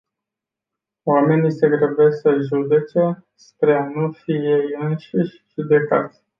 Oamenii se grăbesc să judece spre a nu fi ei înșiși judecați.